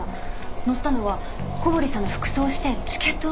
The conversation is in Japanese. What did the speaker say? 乗ったのは小堀さんの服装をしてチケットを持った別人？